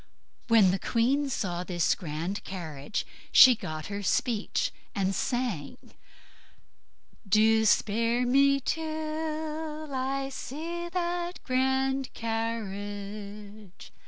When the queen saw this grand carriage she got her speech and sung, "Do spare me till I see that grand carriage."